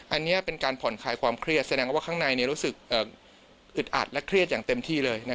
อันนี้เป็นการผ่อนคลายความเครียดแสดงว่าข้างในรู้สึกอึดอัดและเครียดอย่างเต็มที่เลย